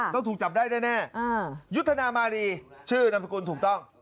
ต้องถูกจับได้แน่ยุทธนามารีชื่อนามสกุลถูกต้อง